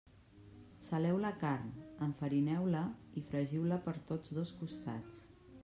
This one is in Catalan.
Saleu la carn, enfarineu-la i fregiu-la per tots dos costats.